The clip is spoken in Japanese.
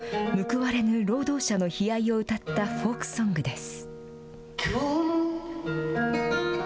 高度成長期、働けど、報われぬ労働者の悲哀を歌ったフォークソングです。